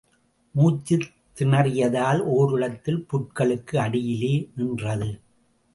மூச்சுத் திணறியதால் ஓரிடத்தில், புற்களுக்கு அடியிலே நின்றது.